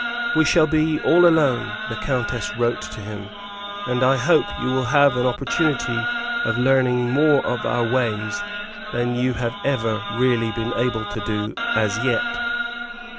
"We shall be all alone," the countess wrote to him, "and I hope you will have an opportunity of learning more of our ways than you have ever really been able to do as yet."